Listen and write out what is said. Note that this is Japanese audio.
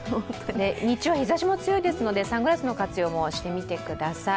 日曜、日ざしも強いですのでサングラスの活用してください。